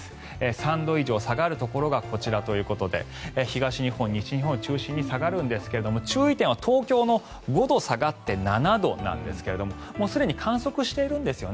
３度以上下がるところがこちらということで東日本、西日本を中心に下がるんですが注意点は東京の５度下がって７度なんですがもうすでに観測しているんですよね。